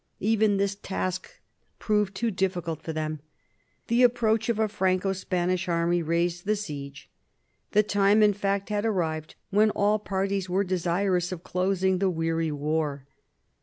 Even this task proved too difficult for them. The approach of a Franco Spanish army raised the siege. The time, in fact, had arrived when all parties were desirous of closing the weary war.